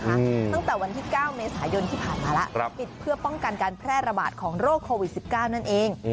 ตั้งแต่วันที่เก้าเมษายนที่ผ่านมาแล้วปิดเพื่อป้องกันการแพร่ระบาดของโรคโควิด๑๙นั่นเอง